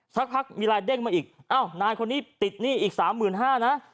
สักพักมีลายเด้งมาอีกอ้าวนายคนนี้ติดหนี้อีก๓๕๐๐นะ